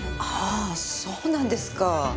はあそうなんですか。